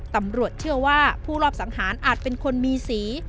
ตำรวจเชื่อว่าผู้รอบสังหารอาจเป็นคนมีสี